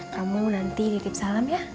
kamu nanti titip salam ya